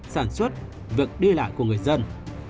sản xuất việc đi lại của người dân